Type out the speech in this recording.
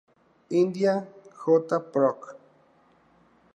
India; J. Proc.